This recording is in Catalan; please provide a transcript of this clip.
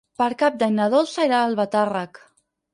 Per Cap d'Any na Dolça irà a Albatàrrec.